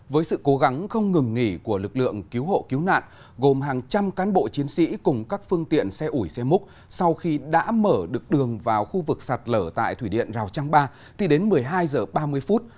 với sự cố gắng không ngừng nghỉ của lực lượng cứu hộ cứu nạn gồm hàng trăm cán bộ chiến sĩ cùng các phương tiện xe ủi xe múc sau khi đã mở được đường vào khu vực sạt lở tại thủy điện rào trang ba thì đến một mươi hai h ba mươi phút